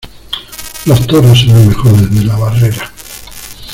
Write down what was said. Los toros se ven mejor desde la barrera.